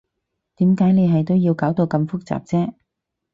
點解你係都要搞到咁複雜啫？